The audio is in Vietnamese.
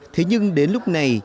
thế nhưng đến lúc này